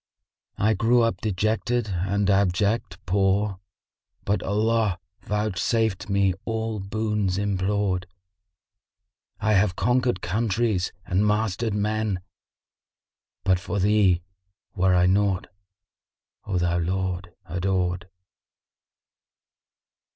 I grew up dejected and abject; poor, * But Allah vouchsafed me all boons implored: I have conquered countries and mastered men * But for Thee were I naught, O thou Lord adored!"